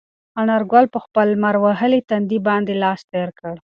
انارګل په خپل لمر وهلي تندي باندې لاس تېر کړ.